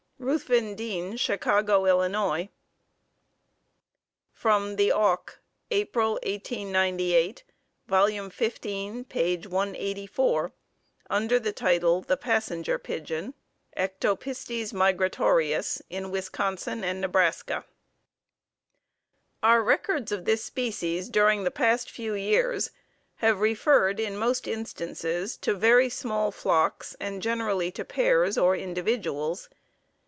Ruthven Deane, Chicago, Ill. From "The Auk," April, 1898, Vol. 15, Page 184, under the title, "The Passenger Pigeon (Ectopistes migratorius) in Wisconsin and Nebraska." Our records of this species during the past few years have referred in most instances, to very small flocks and generally to pairs or individuals.